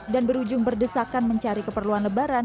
dan berujung berdesakan mencari keperluan lebaran